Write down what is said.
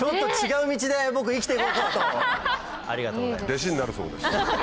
弟子になるそうです。